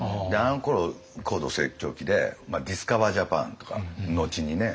あのころ高度成長期でディスカバー・ジャパンとか後にね。